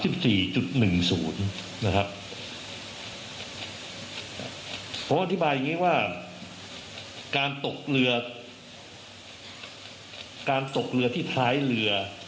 เพราะว่าอธิบายอย่างนี้ว่าการตกเรือที่ท้ายเรือ